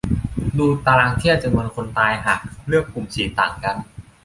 ดูตารางเทียบจำนวนคนตายหากเลือกกลุ่มฉีดต่างกัน